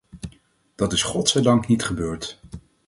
Dat is godzijdank niet gebeurd.